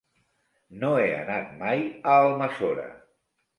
No he anat mai a Almassora.